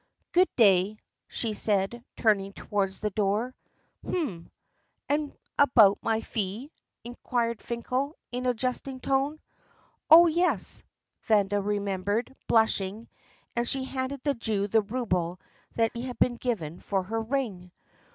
"Good day," she said, turning towards the door. "Hm! ... and how about my fee?" enquired Finkel, in a jesting tone. "Oh, yes!" Vanda remembered, blushing, and she handed the Jew the rouble that had been given her for her ring.